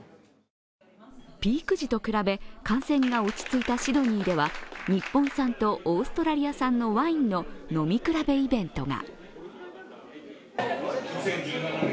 ピーク時と比べ、感染が落ち着いたシドニーでは日本産とオーストラリア産のワインの飲み比べイベントが。